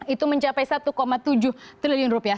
itu mencapai satu tujuh triliun rupiah